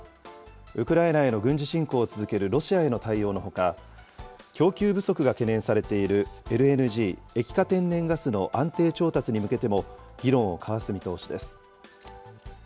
ウクライナへの軍事侵攻を続けるロシアへの対応のほか、供給不足が懸念されているＬＮＧ・液化天然ガスの安定調達に向けても、議論を交わす見通しです。